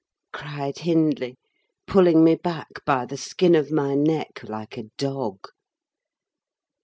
cried Hindley, pulling me back by the skin of my neck, like a dog.